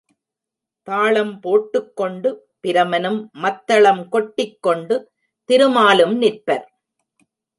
தாளம் போட்டுக் கொண்டு பிரமனும், மத்தளம் கொட்டிக் கொண்டு திருமாலும் நிற்பர்.